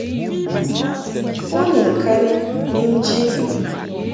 U ni ŋkani ni nji lɨʼ.